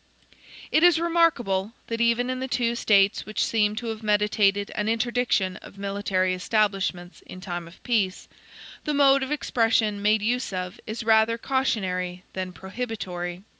It is remarkable, that even in the two States which seem to have meditated an interdiction of military establishments in time of peace, the mode of expression made use of is rather cautionary than prohibitory.